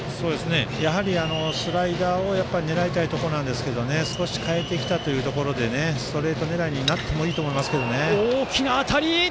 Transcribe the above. やはり、スライダーを狙いたいところなんですが少し変えてきたというところでストレート狙いになってもいいと思いますけどね。